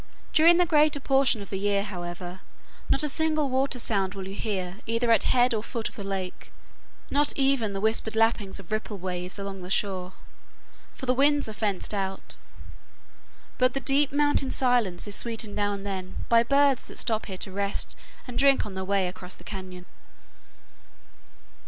During the greater portion of the year, however, not a single water sound will you hear either at head or foot of the lake, not oven the whispered lappings of ripple waves along the shore; for the winds are fenced out. But the deep mountain silence is sweetened now and then by birds that stop here to rest and drink on their way across the cañon.